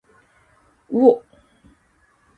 うおっ。